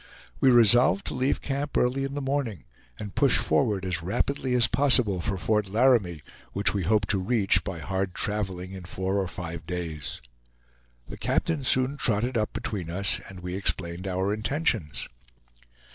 We resolved to leave camp early in the morning, and push forward as rapidly as possible for Fort Laramie, which we hoped to reach, by hard traveling, in four or five days. The captain soon trotted up between us, and we explained our intentions.